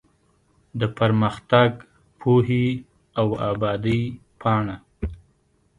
د پرمختګ ، پوهې او ابادۍ پاڼه